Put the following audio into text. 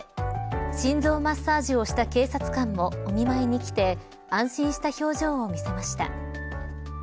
心臓マッサージをした警察官もお見舞いに来て安心した表情を見せました。